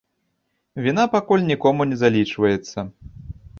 Віна пакуль нікому не залічваецца.